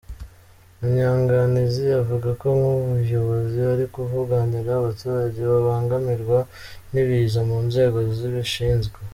Munyanganizi avuga ko nk’ubuyobozi barikuvuganira abaturage babangamirwa n’ibiza mu nzego zibishinzwe .